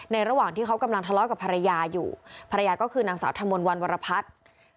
ระหว่างที่เขากำลังทะเลาะกับภรรยาอยู่ภรรยาก็คือนางสาวธมนต์วันวรพัฒน์